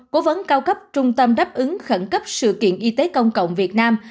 cố vấn cao cấp trung tâm đáp ứng khẩn cấp sự kiện y tế công cộng việt nam